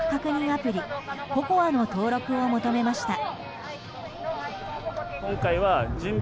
アプリＣＯＣＯＡの登録を求めました。